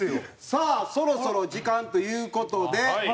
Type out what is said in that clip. さあそろそろ時間という事で。